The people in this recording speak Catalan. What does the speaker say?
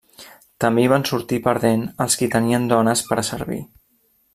També hi van sortir perdent els qui tenien dones per a servir.